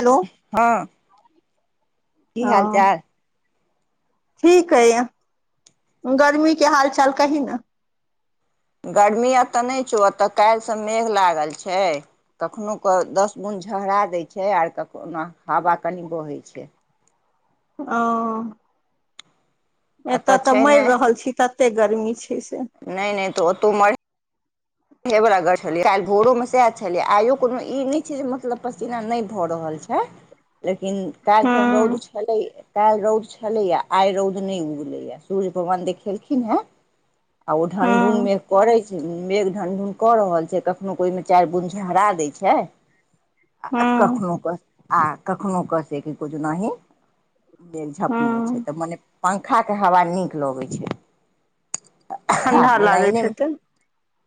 hello हँ [inaudible] की हाल हँ चाल ठीक है गर्मी के हाल चाल कही ने गर्मी एतय नय छौ एतय काल्हिसँ मेघ लागल छै कखनो क दस बुंद झहरा दै छै आर कखनो हवा कनि बहै छै ओ एत एतऽ त छै मरि रहल छी तते गर्मी छै से नय नय त ओतो म रहे वला काल्हि भोरो मे सएह छलिये आइयो कोनो ई नहि छै जे मतलब पसीना नहि भ रहल छै हे लेकिन कैल ख रौद हँ छलै काल्हि रौद छलैयै आइ रौद नहि उगलैए है सूर्य भगवान देखेलखिन हे आ ओ ढनढून हँ मेघ करैत छै मेघ ढानढुन क रहल छै कखनो को ओहिमे चारि बुन झहरा दय छै आ हँ कखनो क आ कखनो क जेओनाहि झपने छै हँ त मने पंखाके हवा नीक लगै छै ठण्डा आव लागैत लाईने हेतै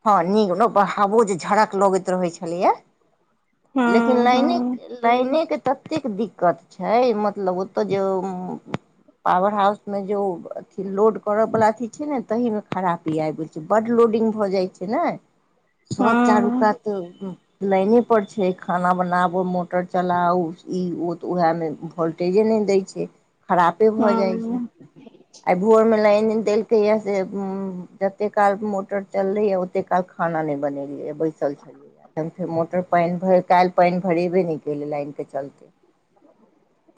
हँ नीक ने ब हाबो जे झड़क लगैत रहै छलैया लेकिन हँ लाइने हँ ज लाइने के ततेक दिक्कत छै मतलब ओत जेउम पावर हाउस में जो अथी लोड करऽ वाला अथी छै ने तही में खरापी आइब गेलैया बड लोडिंग भऽ जाइत छै ने सब चारू हँ कात लाइने पर छै खाना बनाबू मोटर चलाउ ई ओ तउएह मेट टेजे नहि दै छै खरापे भ जाइ छै हँ आई भोर में लाइन देलक यै से उ जते काल मोटर चलले यै ओते काल खाना नहि बनेलियै बैसल छलियै तहन फेर मोटर पानि भरि कैल पानि भरेबे नहि केलै लाइन के चलते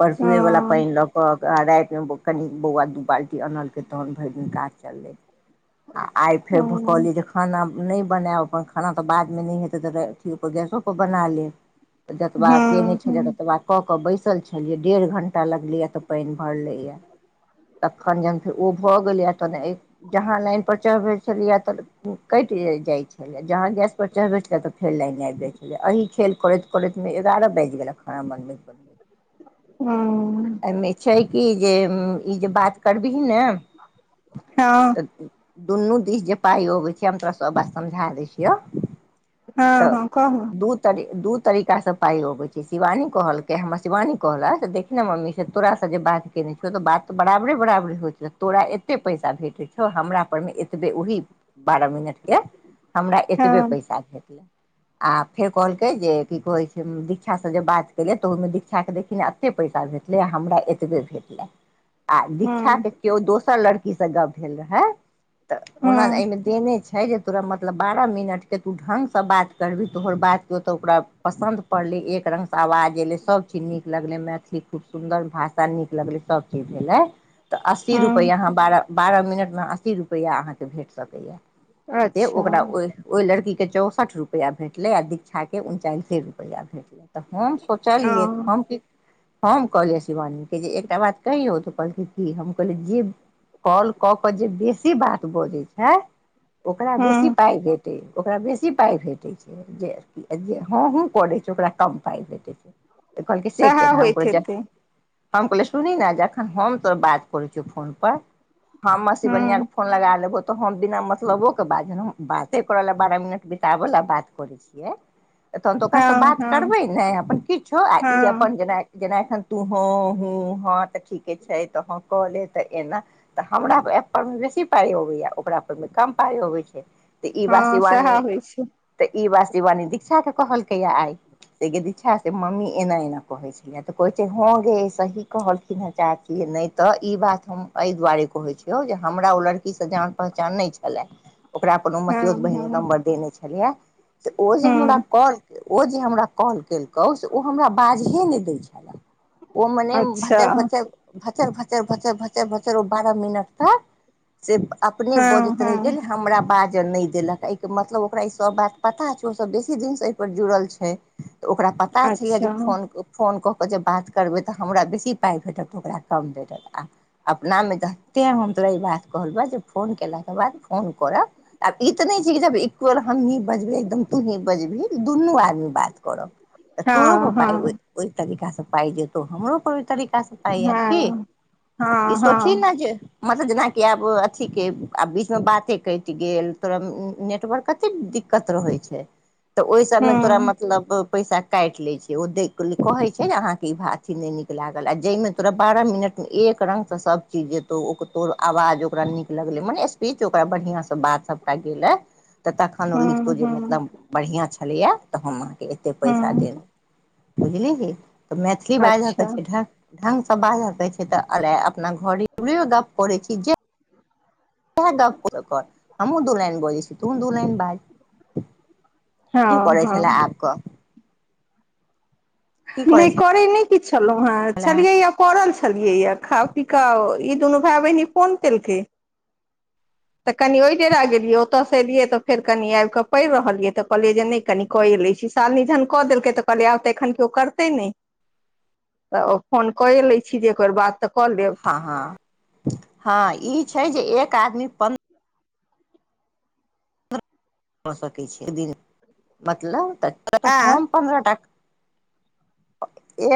परसुए वाला हँ हँ पानि लग राति मे कनी बौआ दू बाल्टी अनल तहन भरि दिन काज चलेआ आइ हँ फेर खाना नहि बनायब अपन खाना तऽ बादमे नहि हेतै तऽ अथीओ गैसो बना लेब जतबा केने छलियै तबा क के बैसल छलियै डेढ़ घंटा आटा लगलैय य तऽ पानि भरलैया तखन जहन फेर ओ भ‌गेलैए तहन जहाँ लाइन पर चढ़बै छलियै त ह कैट जाइ छै जहाँ गैसपर चढ़बैत छलै त फेर लाइन आबि जाइ छलै एहि खेल करैत करैतमे एगारह बाजि गेलक खाना बनबैत बनबै हूं छै कि जे ई जे बात करबिही ने हँ तऽ दुनू दिश जे पाइ अबै छै हम तोरा सभ बात समझा दै छियौ हँ तऽ हँ कहू दू दू तरीकासँ पाइ अबै छै शिवानी कहलकै हमरा शिवानी कहलक से ने मम्मीसँ तोासँ जे बात केयने छियौ त‌बात त बराबरे बराबे होइत छै तोरा एते पैसा भेटैत छौ हमरा पर मे एतबे ओहि बारह मिनटके हमरा एतबे हँ पैसा भेटलै आ फेर कहलकै जे की कहैत छै दीक्षासँ जे बात केलियै तऽ ओहिमे दीक्षाके देखिन न एते पैसा भेटलै हमरा एतबे भेटलै आ दीक्षा हँ के किओ दोसर लड़की स गप्प भेल रहै तऽ ओना हँ एहिमे तेने छै जे तोरा मतलब बारह मिनटके तू ढंगसँ बात करबही तोहर बात केओतऽ ओकरा पसन्द पड़लै एक रङ्गसँ आवाज अयलै सबचीज नीक लगलै मैथिली खूब सुन्दर भाषा नीक लगलै सबचीज भेलै तऽ अस्सी हँ रुपैआ अहाँ बारह बारह मिनटमे अस्सी रुपैआ अ अहाँके भेट सकैए से अच्छा ओकरा ओह ओई लड़कीके चौसठ रुपैआ भेटलै आ दीक्षाके उनचालिसे रुपैआ भेटलै तऽ हम ओ सोचलियै तऽ हम कि हम कहलियै शिवानीे के जे एकटा बात कहौ तो कहलकै की हम कहलियै जे कॉल कऽ क जे बेसी बात बजै छै ओकरा बेसी हँ पाई भेटे ओकरा बेसी पाय भेटै छै जे जे हँ हु करे छै ओकरा कम पाइ भेटै छै तऽ कहलकै से सएह केना हम होइत प जा हेतै हम कहलिय सुनी ने जखन हम तो बात करै छौ फोन पर हम सि बनिआ हँ फोन लगा लेब तऽ ह बिना म मतलबो के बात बाते करै लए बारह मिनट बिताबै ला बात करै छियै अखन तऽ ओकरासँ हँ बात हँ करबै नै अपन किछु आ ई हँ अपन जेना जेना एखन तू हँ हूँ हँ तऽ ठीके छै तऽ ह कऽ ले तऽ एना तऽ हमरा ए पर मे बेसी पाइ अबैया ओकरा पर मे कम पाय अब छै इ त ई हँ सएह सिवानी होइ छै तऽ ई वासी वानी दीक्षा के कहलकै या आइ से दीक्षा से मम्मी एना एना कहे छै कि तऽ कहै छै हँ गे सही कहलखिन हँ चाची नहि तऽ ई बात हम ए दुआरे कहे छीयौ जे हमरा ओ लड़की स जान पहचान नहि छै छल ओकरा कोनो हँ मचियोत हँ बहिन नम्बर देने छलियै तऽ ओ जे हमरा हँ कल ओ जे हमरा कॉल केलकौ से ओ हमरा बाजहे नहि दै छलए ओ मने अच्छा भचर भर भचर भचर भचर भचर भचर ओ बारह मिनट तक से अपने हँ बोजैत हँ हमरा बाजय नहि देलक एहिके मतलब ओकरा ई सभ बात पता छै ओसभ बेसी दिनसँ एहिपर जुड़ल छै तऽ ओकरा पता छलै अच्छा याजे फोन फोन कऽ कऽ जे बात करबै तऽ हमरा बेसी पाइ भेटत तऽ ओकरा कम भेटत आ अपनामे जतेक हम तोरा ई बात कहलू है जे फोन कयलाके बाद फोन कत आब ई तऽ नहि छै कि जब एक बेर हमही बजबै एकदम तूही बजबही दुनू आदमी बात करब तऽ तोरो पर हँ प पाइ हँ ओहि तरीकासँ पाइ जेतौ हमरोपर ओहि तरीकासँ की हँ ई हँ सोची हँ ने जे मत जेनाकि आब अथी के आ बीचमे बाते कैट गेल तोरा नेटवर्क कतेक दिक्कत रहै छै तऽ ओहि सबमे तोरा हँ मतलब पैसा काटि लै छै ओ कहै छै ने अहाँके ई भा अथी नै नीक लागल आ जाहिमे तोरा बारह मिनट मे एक रंग से सब चीज जेतौ तोहर आवाज ओकरा नीक लगलै मने सीच ओकरा बढ़िआ स बात सबटा गेलै तऽ तखन ओ हँ लिखतो जे हँ मतलब बढ़िआँ छलैए तऽ हम अहाँके एतेक पैसा हँ देब बुझलिही तऽ मैथिली अच्छा बाजऽके छै ढ ढंग स बाज दै छै त अ अपना घरो द करे छी जे हमू दू लान बजै छी तु दू लइन बाज की हँ करै हँ छलै आब कह की करै नहि करय नहीं की छलहु है छले छलियौ या पड़ल छलियै या खा पी क ई दुनू भाई बहिन फोन केलकै [inaudible] [inaudible] तऽ कनि ओहि डेरा गेलियै ओतऽसँ एलियै तऽ फेर कनि आबि कऽ पैर रहलियै तऽ कहलियै जे नहि कनि क ए लै छी सालनि जहन क देलकै त कहलियै आब तऽ एखन कयो करतै नहि त फोन क लै छी जे एकर बात त क लेब ह ह हां इ छै जे एक आदमी पं कऽ सकै छी एक दिन मतलब त आँ हम पन्द्रह टा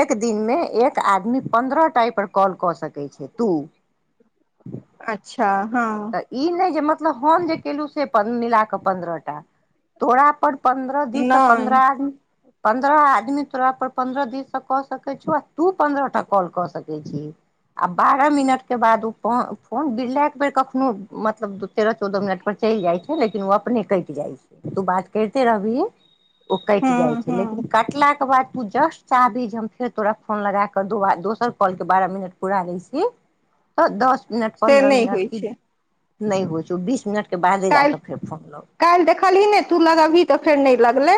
एक दिन मे एक आदमी पन्द्रह टा‌ आय पर कॉल क सकैत छै तू अच्छा हँ तऽ ई नयजे मतलब हम जे केलहुँ से मिला क पन्द्रह टा तोरा पर पन्द्रह दिससँ नहि पन्द्रह आदमी पन्द्रह आदमी तोरा पर पन्द्रह दिससँ क सकैत छै आ तू पन्द्रह टा कॉल क सकैत छी आ बारह मिनट के बाद ओ फोन बिरला एक बेर क खनो मतलब तेरह चौदह मिनट पर चलि जाइ छै लेकिन ओ अपने कटि जाइ छै तू बात करिते रहबिहि ओ कटि जाइ हँ छै लेकिन हँ कटलाक के बाद तू जस्ट चाहभि जे हम फेर तोरा फोन लगाक दो दोसर कॉल के बारह मिनट पूरा लै छी त दस मिनट से पन्द्रह नहि होइ मिनट क छै नहि होइ छौ बीस मिनटके बादे जाक फेर फोन लगय काइल देखलही ने तू लगबही तफेर नहि लगलै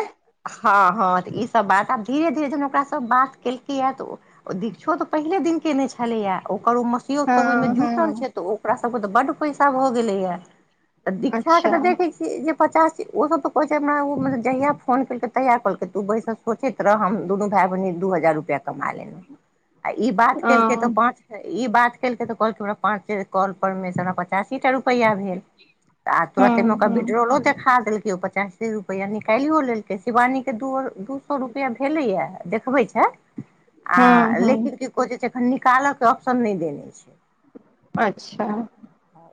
हँ हँ त ईसभ बात आब धीरे धीरे जहन ओकासँ बात केलकै हैं त ओ दीक्षो त पहिले दिन केले छलैयै ओकरो मसियोत सभ ओहिमे हँ जुटल हँ छल त ओकरा सब के त बड पैसा भ गेलै या त‌दीक्षा के अच्छा त देखै छी जे पचास ओ सब त कहै छै हमरा जहिया फोन केलकै तयाह कहलकै तू बैसल सोचैत रह हम दुनू भाई बहिन दू हजार रुपैया कमा लेलहुँ आ ई बात केलकै त हँ पाँच ई बात केलकै त कहलकै पांच कॉल पर मे से हमा प पचासी टा रुपैआ भेल आ हँ तुरंते ओकरा हँ विट्रोलो देखा देलक पचासी रुपआ निकालियो लेलकै शिवानी के दू रूपया दू सौ रुपआ भेलैया देखबै छै आ हँ हँ लेकिन को जे छै एखन निकाल के ऑप्शन नहि देने छै अच्छा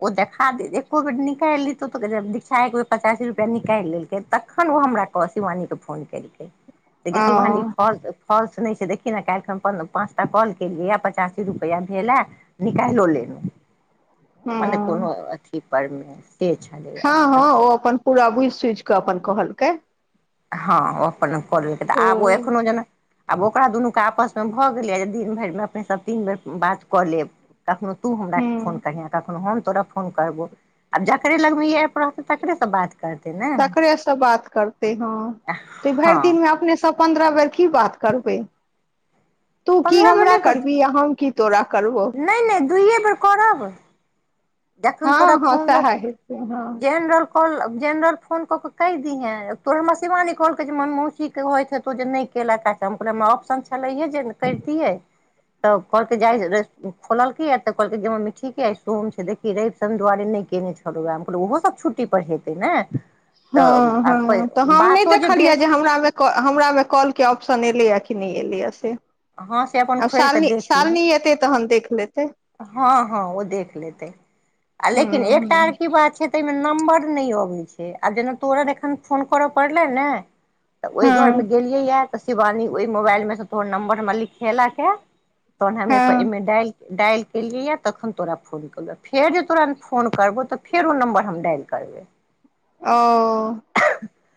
ओ देखा दे एको बेर निकालि लीतौ त दीक्षा एक बेर पचासी रुपैआ निकालि लेलकै तखन ओ हमरा शिवानी के फोन केलकै गे शिवानी ओ फ फॉलस नहि छै देखी ने काल्हि खन पाँच टा कॉल केलियै पचासी रुपैआ भेलैय निकालो लेब मने हँ कोनो अथी पर मे सेछ हँ हँ ओ अपन पूरा बुझि सुझ क अपन कहलकै हँ‌ओ अपनो करके त आब ओ हूँ एखनो जेना आब ओकरा दुनूके आपसमे भ गेलैए जे दिन भरिमे अपने सभ तीन बेर बात क‌लेब कखनो तू हमरा फोन कहिह कानों हम तोरा फोन करबो आब जकरे लग मे इ एप रहतै तारे से बात करतै ने तकरे से बात करते हं त भरि हँ दिन मे अपने सब पंद्रह बेर की बात करबै पन्द्रह बेर नहि क की तोरा करबो नहि नहि दुूइए बेर करब देखन तोरा हँ हँ फोन सएह रहत हेतै हँ जेहेन कॉल जेनरल फोन कऽ कऽ कहि दीहे तोहर हमर सिवानी कहलकै जे म मौसी कहइ हेतौ जे नहि केलक त हम कहल ऑप्शन छेलैहे जे करितियै तऽ कल के जाय खोलल क य त कहल कैए जे मम्मी डीके स्टोन छै देख कि रैव शैन दुआरे नहि कयने छलहुँ हम कह ओहोसभ छुट्टी पर हेतै ने तऽ हँ आ हँ त हम नहि बातो देखलियै भेल जे हमरामे क हमरा मे कॉल के ऑप्शन एलैए कि नहि एलैए से हँ से अपन आब खोलि कऽ सालनी देख लिहे सालनी एतै तहन देख लेतै हँ हँ ओ देख लेतै आ हूँ लेकिन एकटा आर की बात छै ताहिमे नम्बर नहि अबैत छै आब जेना तोर एखन फोन करय पड़लै ने तऽ ओहि घर मे हँ हँ गेलियैए तऽ शिवानी ओहि मोबाइल मे सँ तोहर नम्बर हम लिखेलक हे तन हमे हँ ईमे डायल डायल के कलियैए तखन तोरा फोन कलऽ फेर जे तोरा फोन करबौ तऽ फेर ओ नम्बर हम डायल करबै ओ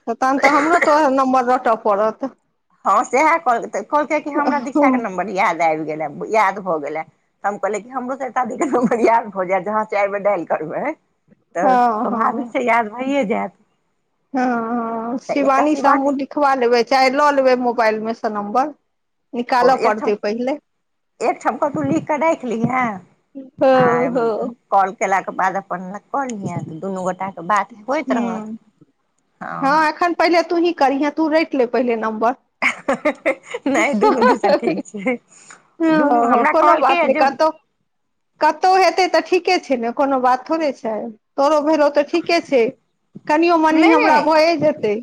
तऽ तहन तऽ हमरो तऽएह नम्बर रोटय पड़त हँ सएह कह कहलकै कि हमरा दीक्षाके हँ नम्बर याद आबि गेलए याद भऽ गेलए त हम कहलक कि हमरो तिक बरियार भऽ जायत जहाँ चारि बेर डायल करबै तऽ हँ स्वभाविक छै याद भइए जायत हँ हँ तऽ एकटा शिवानी से हमहूँ लिखबा लेबै चाहे लऽ लेबै मोबाइल मे सँ नम्बर निकाल कोनो एकठाम पड़तै पहिले एकठाम कतहु लिख कऽ राखि लिहे आ हूँ कॉल कयलाके बाद अपन कहिय दुनू गोटाके बात होइत रहत हँ एखन पहिले तू ही करहीहे तू रेट ले पहिले नम्बर नहि दुनू दिसन ठीक छै दुनू ह हमरा कोनो बात कहलकैए नहि जे कतौ कतहु हेतै तऽ ठीके छै ने कोनो बात थोड़े छै तोरो भेलो ओ तऽ ठीके छै कनि मनी हमरा भए जेतै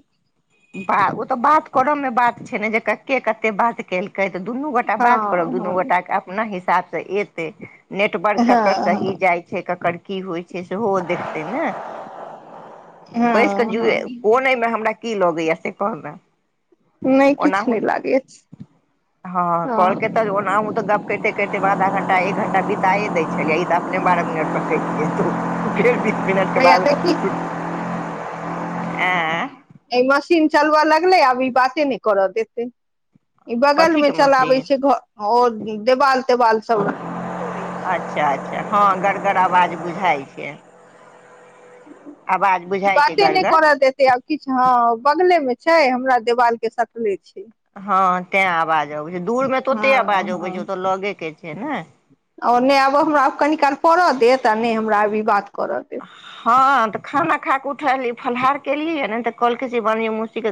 ब ओ तऽ बात करऽ मे बात छै ने जे के कते बात केलकै कहै तऽ दुनू गोटा हँ बात करब दुनू हँ गोटाके अपना हिसाबसँ एतै नेटवर्क ककर सही हँ जाइ छै ककर की होइ छै सेहो देखते ने हँ बैस क हँ ज हँ कोन एहिमे हमरा की लगय यए से कहूं ना नहि ओना किछु नहि लागै छै हँ कलके तऽ ओना तऽ गप करिते करिते आधा घंटा एक घंटा बिताए दै छलियै ई तऽ अपने बारह मिनट परर कटि जेतौ फेर बीस मिनटके हैया बाद देखी छुटी आ ई मशीन चलबाय लागल आब ई बाते नहि करय देतै ई बगल में कथीके चलाबे मशीन छै घ देवाल तवाल सब अच्छा अच्छा हँ गड़गड़ आवाज बुझाइ छै आवाज ई बुझाइ छै बाते नहि गड़गर कर देतै आब किछु हँ बगले मे छै हमरा देवाल के सटले छै हँ तैं आवाज अबै छै दूर मे तऽ ओते हँ आवाज अबै छै ओतऽ लगे के छै ने आ नहि आब हमरा कनि काल पड़ऽ देत आ नहि हमरा आब ई बात कर देत हँ तऽ खाना खा क उठली फलहार केलियै ने तऽ कलकी बन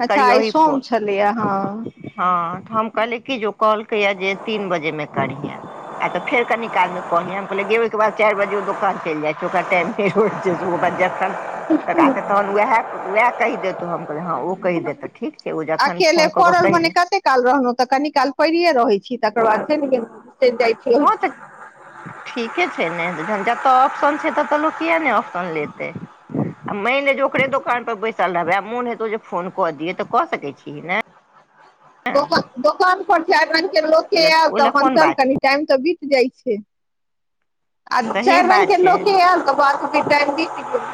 अच्छा आइ करियहि सोम फोन छलैया हँ तऽ हम कहलिय कि जे कॉहलकैया जे तीन बजे मे करीहा आ तऽ फेर काल मे कहलिय हम कहले गे ओहि बाद चारि बजे ओ दोकान चलि जाय छै ओकर टाइम सु जखन तऽ तहन ओएह वएह कहि देतऽ हम कहलियै हँ ओ कहि देत तऽ ठीक छै ओ जखन अकेले फोन कऽ कऽ पड़ल कहि मने देत कते काल रहलहुँ तऽ कनी काल परीये रहैत छी तकर बाद छै ने गेलहुँ चलि जाइ छी हो तऽ ठीके छै ने तऽ जन जतय ऑप्शन छै ततय लोक किए नहि ऑप्शन लेतै आ मानि ले जे ओकरे दोकान पर बैसल रहबै आ मोन हेतौ जे फोन कऽ दिय तऽ कऽ सकैत छी ने ोक दोकान पर चारि रंग के लोक के आयल ओहि तऽ लए चल कोन अपन बात कनि छै टाइम त बीत जाइ छै आ सही चारि रंग बात के छै हूँ लोके आयल [unintelligible] टाइम बीत गेल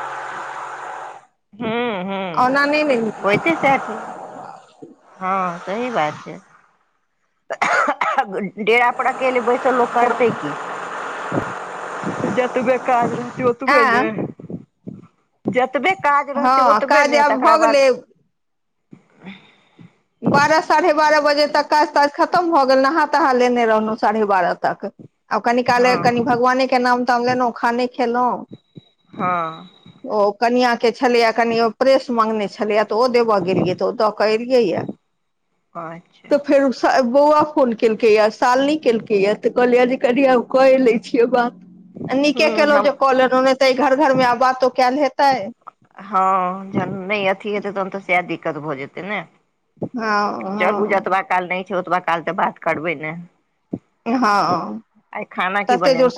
ओना नहि नहि किसे छै हँ सही बात छै डेरा पड़ अकेल बइसल लोको करतै की जतबे काज रहतई ओतबे आँ ने जतबे काज रहतै हँ ओतबे काज ने आब तकरा भऽ गेलै बाद बारह साढ़े बारह बजे तक काज ताज खतम भऽ गेल नहा तहा लेने रहलहुँ साढ़े बारह तक आ कनि काल हँ कनि भगवाने के नाम ताम लेलहुँ खाने खेलहुँ हँ ओ कनिया के छलेया कनि प्रेस मांगने छलेया तऽ ओ देबऽ गेलिये तऽ ओ दऽ के एलिये या अच्छा तऽ फेर बौआ फोन केलकैए सालनी केलकैए तऽ कहलियै जे कहि लै छियै बात नीके हूँ केलहुँ हम जे कए लेलोह ओने तऽ घर घर मे आब बातो कयल हेतै हँ जहन नहि अथी हेतै तहन तऽ सएह दिक्कत भऽ जेतै ने चलू हँ जतबा काल नहि छै ओतबा काल तऽ बात करबै ने हँ हँ आइ खाना की तते जोर बनेने